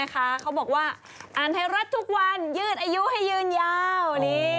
เขาบอกว่าอ่านไทยรัฐทุกวันยืดอายุให้ยืนยาว